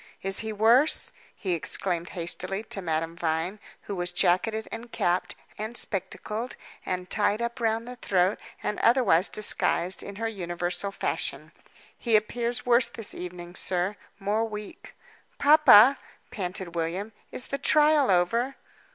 "Is he worse?" he exclaimed hastily, to Madame Vine, who was jacketed, and capped, and spectacled, and tied up round the throat, and otherwise disguised, in her universal fashion. "He appears worse this evening, sir more weak." "Papa," panted William, "is the trial over?"